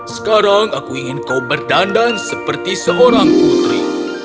sekarang aku ingin kau berdandan seperti seorang putri